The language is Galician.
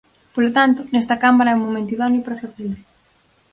Polo tanto, nesta Cámara é o momento idóneo para facelo.